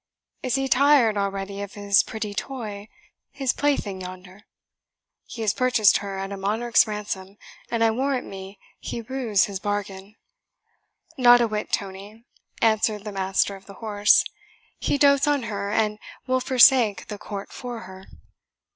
"Is he tired already of his pretty toy his plaything yonder? He has purchased her at a monarch's ransom, and I warrant me he rues his bargain." "Not a whit, Tony," answered the master of the horse; "he dotes on her, and will forsake the court for her.